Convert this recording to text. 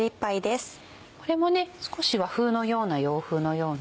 これも少し和風のような洋風のような。